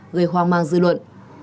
gây hoang mang dư luận